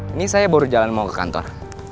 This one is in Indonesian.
ini saya baru jalan mau ke kantor